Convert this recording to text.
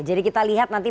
jadi kita lihat nanti